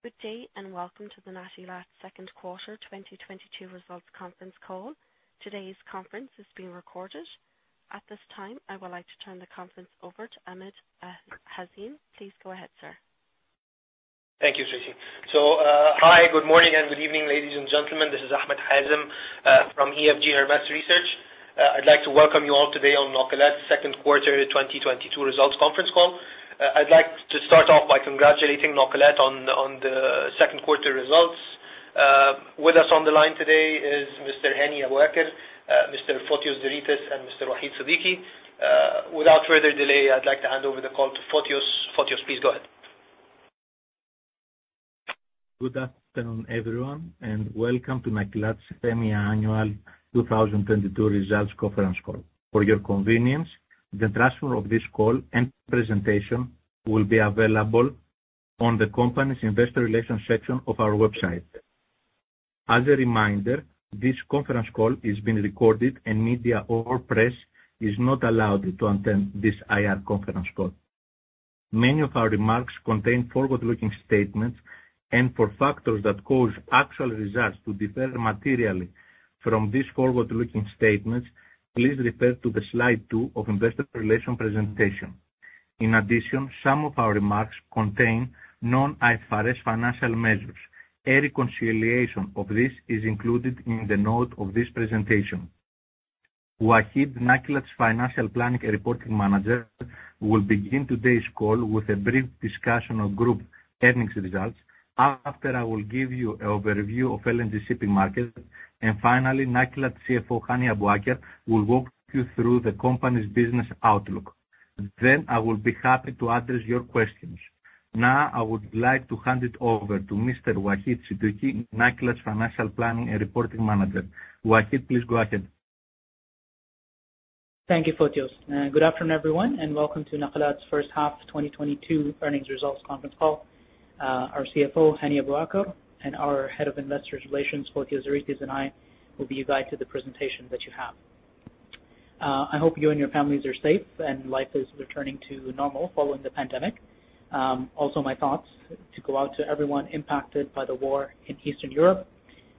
Good day, and welcome to the Nakilat second quarter 2022 results conference call. Today's conference is being recorded. At this time, I would like to turn the conference over to Ahmed Hazem Maher. Please go ahead, sir. Thank you, Tracy. Hi, good morning and good evening, ladies and gentlemen. This is Ahmed Hazem Maher from EFG Hermes Research. I'd like to welcome you all today on Nakilat second quarter 2022 results conference call. I'd like to start off by congratulating Nakilat on the second quarter results. With us on the line today is Mr. Hani Abuaker, Mr. Fotios Zeritis, and Mr. Waheed Siddiqui. Without further delay, I'd like to hand over the call to Fotios. Fotios, please go ahead. Good afternoon, everyone, and welcome to Nakilat semi-annual 2022 results conference call. For your convenience, the transcript of this call and presentation will be available on the company's investor relations section of our website. As a reminder, this conference call is being recorded and media or press is not allowed to attend this IR conference call. Many of our remarks contain forward-looking statements and for factors that cause actual results to differ materially from these forward-looking statements, please refer to slide two of investor relations presentation. In addition, some of our remarks contain non-IFRS financial measures. A reconciliation of this is included in the note of this presentation. Waheed, Nakilat's Financial Planning and Reporting Manager, will begin today's call with a brief discussion of group earnings results. After, I will give you overview of LNG shipping market. Finally, Nakilat CFO, Hani Abuaker, will walk you through the company's business outlook. I will be happy to address your questions. Now, I would like to hand it over to Mr. Waheed Siddiqui, Nakilat's Financial Planning and Reporting Manager. Waheed, please go ahead. Thank you, Fotios Zeritis. Good afternoon, everyone, and welcome to Nakilat's first half 2022 earnings results conference call. Our CFO, Hani Abuaker, and our Head of Investor Relations, Fotios Zeritis, and I will be a guide to the presentation that you have. I hope you and your families are safe and life is returning to normal following the pandemic. Also, my thoughts go out to everyone impacted by the war in Eastern Europe,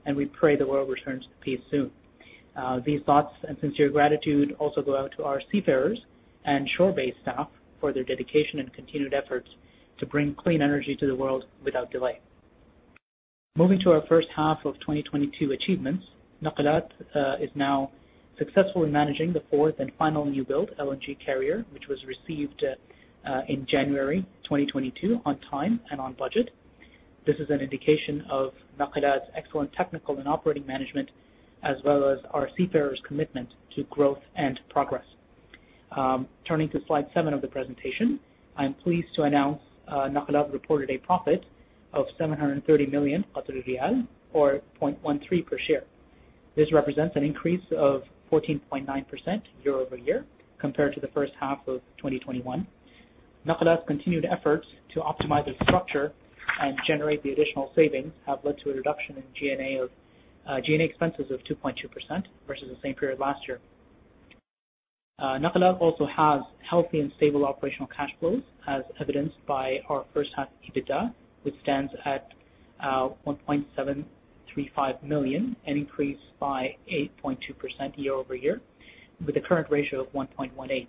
and we pray the world returns to peace soon. These thoughts and sincere gratitude also go out to our seafarers and shore-based staff for their dedication and continued efforts to bring clean energy to the world without delay. Moving to our first half of 2022 achievements, Nakilat is now successfully managing the fourth and final new-build LNG carrier, which was received in January 2022 on time and on budget. This is an indication of Nakilat's excellent technical and operating management, as well as our seafarers' commitment to growth and progress. Turning to slide seven of the presentation, I am pleased to announce Nakilat reported a profit of 730 million Qatari riyal, or 0.13 per share. This represents an increase of 14.9% year-over-year compared to the first half of 2021. Nakilat's continued efforts to optimize its structure and generate the additional savings have led to a reduction in G&A of G&A expenses of 2.2% versus the same period last year. Nakilat also has healthy and stable operational cash flows as evidenced by our first half EBITDA, which stands at 1.735 million, an increase by 8.2% year-over-year, with a current ratio of 1.18.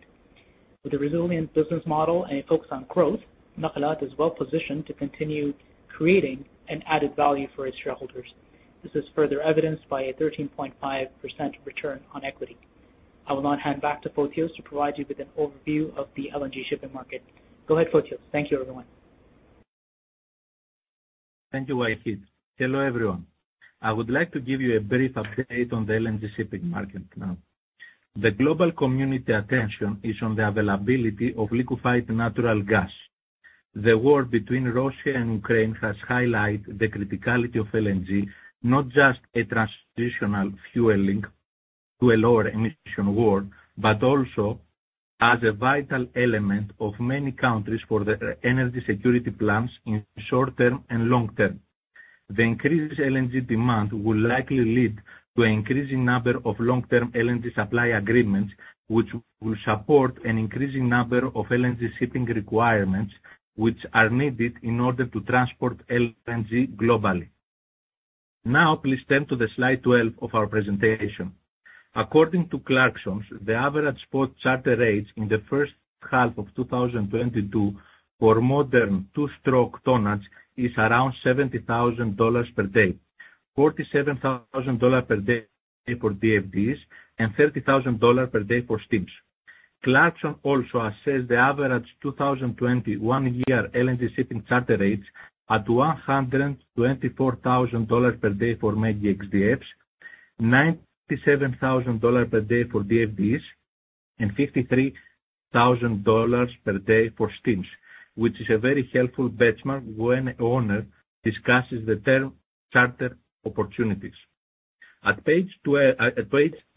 With a resilient business model and a focus on growth, Nakilat is well positioned to continue creating an added value for its shareholders. This is further evidenced by a 13.5% return on equity. I will now hand back to Fotios to provide you with an overview of the LNG shipping market. Go ahead, Fotios. Thank you, everyone. Thank you, Waheed. Hello, everyone. I would like to give you a brief update on the LNG shipping market now. The global community attention is on the availability of liquefied natural gas. The war between Russia and Ukraine has highlight the criticality of LNG, not just a transitional fueling to a lower emission world, but also as a vital element of many countries for their energy security plans in short term and long term. The increased LNG demand will likely lead to an increasing number of long-term LNG supply agreements, which will support an increasing number of LNG shipping requirements, which are needed in order to transport LNG globally. Now, please turn to the slide 12 of our presentation. According to Clarksons, the average spot charter rates in the first half of 2022 for modern two-stroke tonnages is around $70,000 per day, $47,000 per day for DFDEs, and $30,000 per day for steamers. Clarksons also assesses the average 2021 year LNG shipping charter rates at $124,000 per day for mega XDFs, $97,000 per day for DFDEs, and $53,000 per day for steamers, which is a very helpful benchmark when an owner discusses the term charter opportunities. At page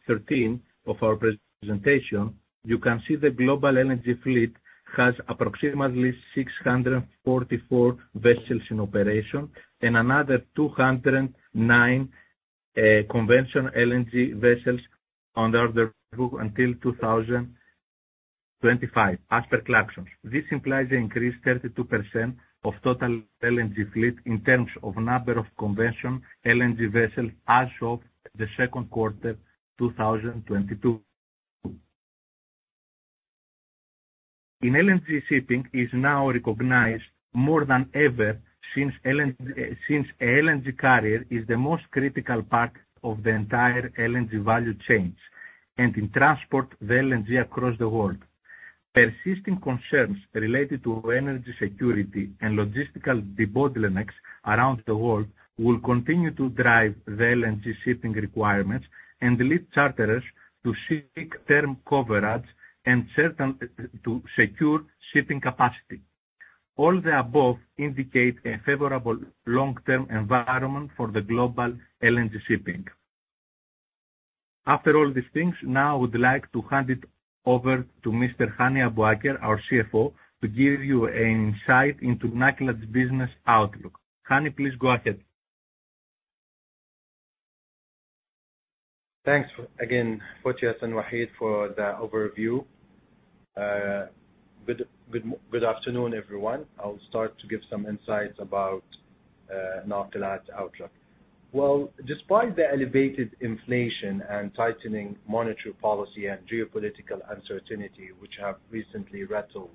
thirteen of our presentation, you can see the global LNG fleet has approximately 644 vessels in operation and another 209 conventional LNG vessels on the orderbook until 2025 as per Clarksons. This implies an increase 32% of total LNG fleet in terms of number of conventional LNG vessels as of the second quarter 2022. LNG shipping is now recognized more than ever since an LNG carrier is the most critical part of the entire LNG value chain and in transporting the LNG across the world. Persisting concerns related to energy security and logistical bottlenecks around the world will continue to drive the LNG shipping requirements and lead charterers to seek term coverage and certainty to secure shipping capacity. All the above indicate a favorable long-term environment for the global LNG shipping. After all these things, now I would like to hand it over to Mr. Hani Abuaker, our CFO, to give you an insight into Nakilat business outlook. Hani, please go ahead. Thanks again, Fotios and Waheed, for the overview. Good afternoon, everyone. I'll start to give some insights about Nakilat outlook. Well, despite the elevated inflation and tightening monetary policy and geopolitical uncertainty, which have recently rattled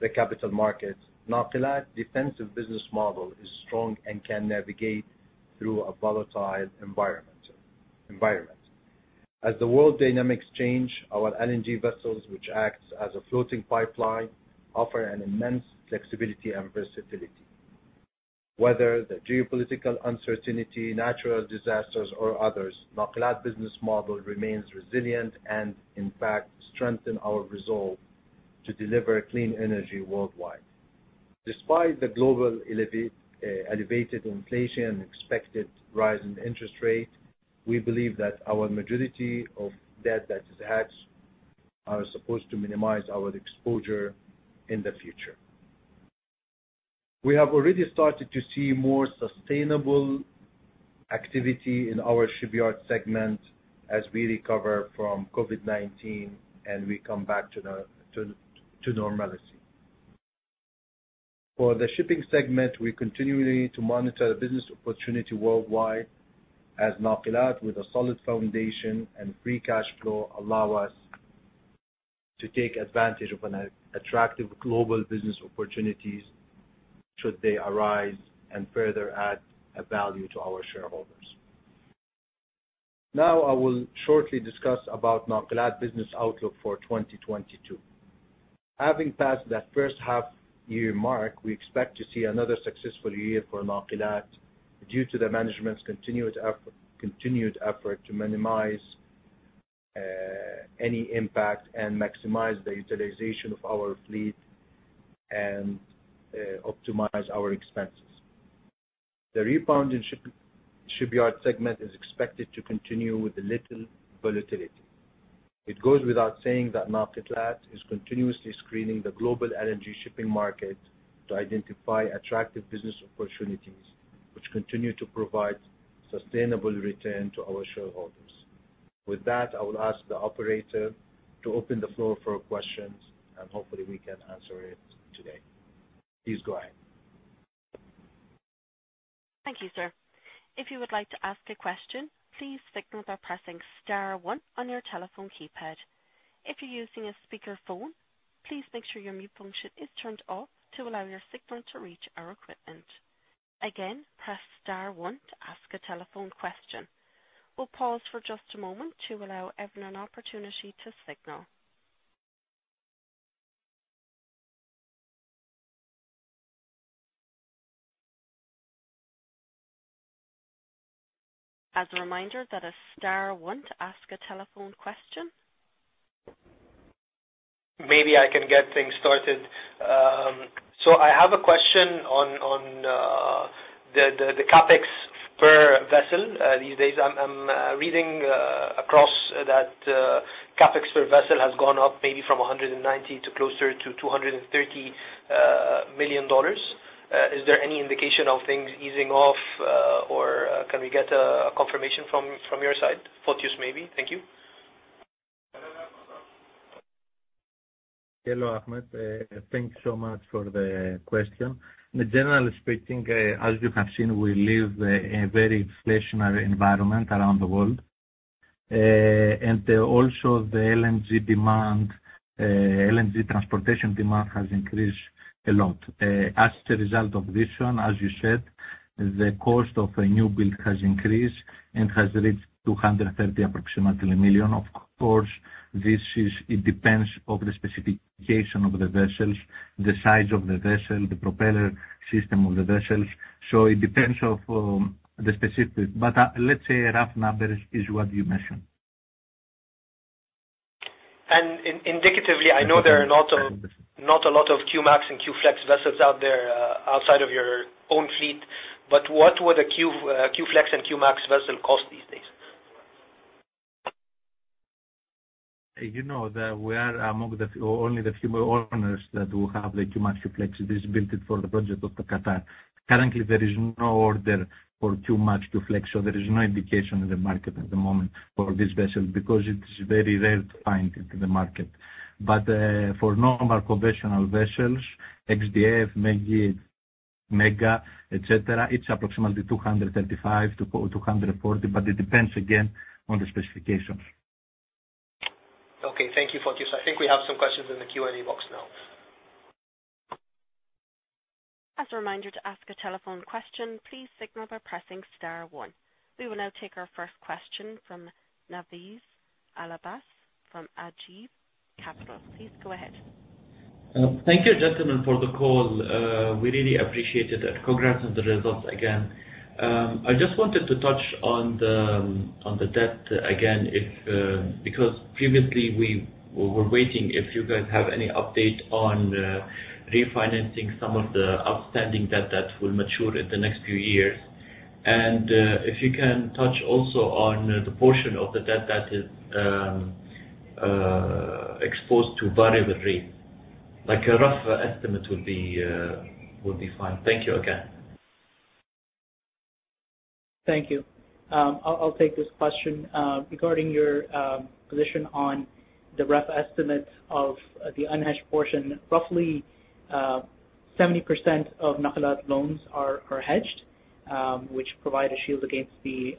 the capital markets, Nakilat defensive business model is strong and can navigate through a volatile environment. As the world dynamics change, our LNG vessels, which acts as a floating pipeline, offer an immense flexibility and versatility. Whether the geopolitical uncertainty, natural disasters or others, Nakilat business model remains resilient and in fact strengthen our resolve to deliver clean energy worldwide. Despite the elevated inflation and expected rise in interest rate, we believe that our maturity of debt that is at are supposed to minimize our exposure in the future. We have already started to see more sustainable activity in our shipyard segment as we recover from COVID-19 and we come back to the normalcy. For the shipping segment, we're continuing to monitor business opportunity worldwide as Nakilat with a solid foundation and free cash flow allow us to take advantage of attractive global business opportunities should they arise and further add value to our shareholders. Now, I will shortly discuss about Nakilat business outlook for 2022. Having passed that first half year mark, we expect to see another successful year for Nakilat due to the management's continued effort to minimize any impact and maximize the utilization of our fleet and optimize our expenses. The rebound in shipyard segment is expected to continue with little volatility. It goes without saying that Nakilat is continuously screening the global LNG shipping market to identify attractive business opportunities, which continue to provide sustainable return to our shareholders. With that, I will ask the operator to open the floor for questions, and hopefully we can answer it today. Please go ahead. Thank you, sir. If you would like to ask a question, please signal by pressing star one on your telephone keypad. If you're using a speakerphone, please make sure your mute function is turned off to allow your signal to reach our equipment. Again, press star one to ask a telephone question. We'll pause for just a moment to allow everyone an opportunity to signal. As a reminder that is star one to ask a telephone question. Maybe I can get things started. I have a question on the CapEx per vessel. These days, I'm reading across that CapEx per vessel has gone up maybe from $190 million to closer to $230 million. Is there any indication of things easing off, or can we get a confirmation from your side? Fotios, maybe. Thank you. Hello, Ahmed, thanks so much for the question. Generally speaking, as you have seen, we live in very inflationary environment around the world. Also, the LNG demand, LNG transportation demand has increased a lot. As a result of this one, as you said, the cost of a new build has increased and has reached approximately $230 million. Of course, it depends on the specification of the vessels, the size of the vessel, the propulsion system of the vessels. So it depends on the specifics. But, let's say a rough number is what you mentioned. Indicatively, I know there are not a lot of Q-Max and Q-Flex vessels out there, outside of your own fleet, but what would a Q-Flex and Q-Max vessel cost these days? You know that we are among the only few owners that will have the Q-Max, Q-Flex built for the project of the Qatar. Currently, there is no order for Q-Max, Q-Flex, so there is no indication in the market at the moment for this vessel because it's very rare to find it in the market. For normal conventional vessels, XDF, ME-GI. ME-GI, etc. It's approximately 235-240, but it depends again on the specifications. Okay, thank you, Fotios. I think we have some questions in the Q&A box now. As a reminder to ask a telephone question, please signal by pressing star one. We will now take our first question from Nafez Al Abbas from Ajeej Capital. Please go ahead. Thank you, gentlemen, for the call. We really appreciate it. Congrats on the results again. I just wanted to touch on the debt again, because previously we were waiting if you guys have any update on refinancing some of the outstanding debt that will mature in the next few years. If you can touch also on the portion of the debt that is exposed to variable rate. Like, a rough estimate would be fine. Thank you again. Thank you. I'll take this question. Regarding your position on the rough estimate of the unhedged portion. Roughly, 70% of Nakilat loans are hedged, which provide a shield against the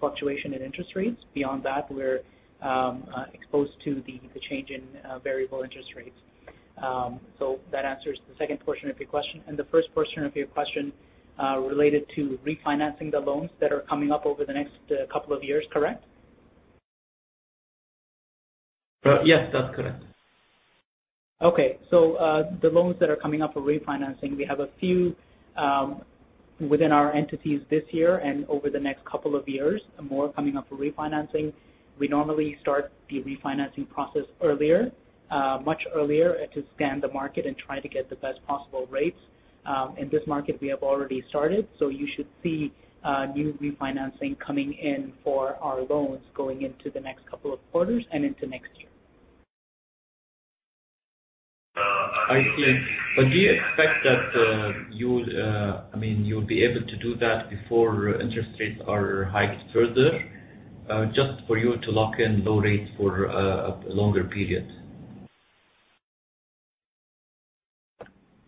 fluctuation in interest rates. Beyond that, we're exposed to the change in variable interest rates. So that answers the second portion of your question. The first portion of your question related to refinancing the loans that are coming up over the next couple of years, correct? Yes, that's correct. Okay. The loans that are coming up for refinancing, we have a few, within our entities this year and over the next couple of years, more coming up for refinancing. We normally start the refinancing process earlier, much earlier, to scan the market and try to get the best possible rates. In this market, we have already started, so you should see, new refinancing coming in for our loans going into the next couple of quarters and into next year. I see. Do you expect that, I mean, you'll be able to do that before interest rates are hiked further, just for you to lock in low rates for a longer period?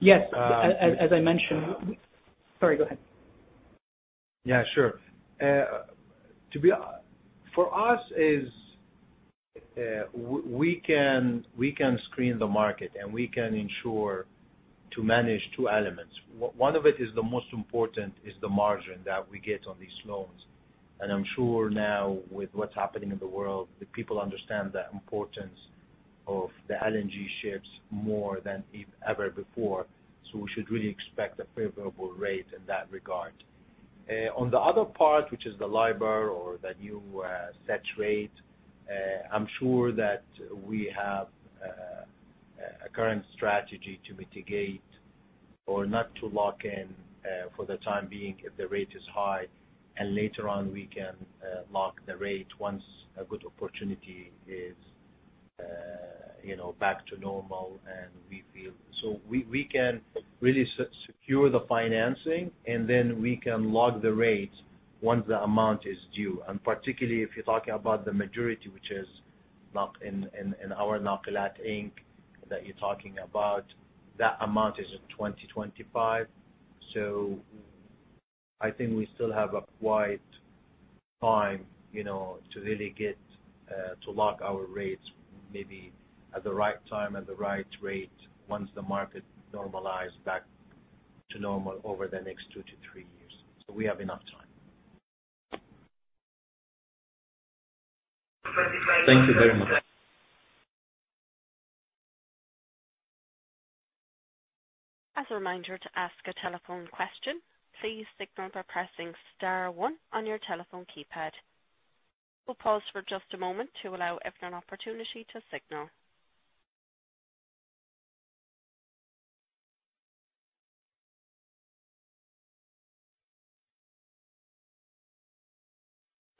Yes. As I mentioned. Uh- Sorry, go ahead. Yeah, sure. For us is we can screen the market, and we can ensure to manage two elements. One of it is the most important is the margin that we get on these loans. I'm sure now with what's happening in the world, the people understand the importance of the LNG ships more than ever before. We should really expect a favorable rate in that regard. On the other part, which is the LIBOR or the new SOFR, I'm sure that we have a current strategy to mitigate or not to lock in for the time being if the rate is high, and later on we can lock the rate once a good opportunity is, you know, back to normal and we feel. We can really secure the financing, and then we can lock the rates once the amount is due. Particularly if you're talking about the majority, which is in our Nakilat Inc., that you're talking about, that amount is in 2025. I think we still have a quiet time, you know, to really get to lock our rates maybe at the right time, at the right rate once the market normalize back to normal over the next two to three years. We have enough time. Thank you very much. As a reminder to ask a telephone question, please signal by pressing star one on your telephone keypad. We'll pause for just a moment to allow everyone opportunity to signal.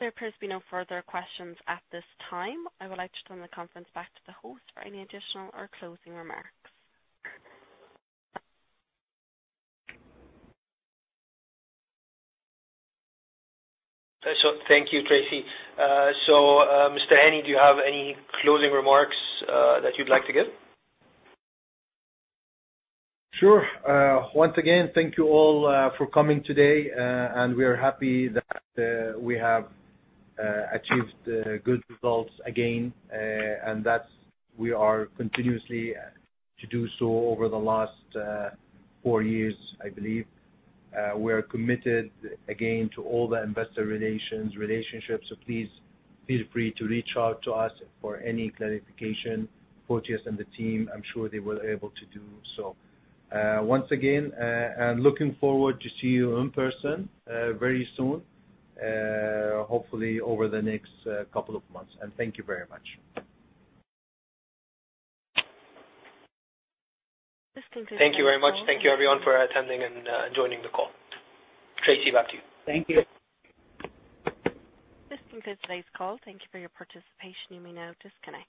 There appears to be no further questions at this time. I would like to turn the conference back to the host for any additional or closing remarks. Thank you, Tracy. Mr. Hani, do you have any closing remarks that you'd like to give? Sure. Once again, thank you all for coming today, and we are happy that we have achieved good results again, and that's we are continuously to do so over the last four years, I believe. We are committed again to all the investor relations relationships, so please feel free to reach out to us for any clarification. Fotios and the team, I'm sure they will able to do so. Once again, I'm looking forward to see you in person very soon, hopefully over the next couple of months. Thank you very much. This concludes. Thank you very much. Thank you everyone for attending and joining the call. Tracy, back to you. Thank you. This concludes today's call. Thank you for your participation. You may now disconnect.